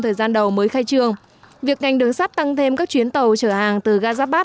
thời gian đầu mới khai trương việc ngành đường sắt tăng thêm các chuyến tàu chở hàng từ gazabat